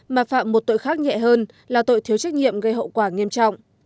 mà phạm một tội khác nhẹ hơn là tội thiếu trách nhiệm gây hậu quả nghiêm trọng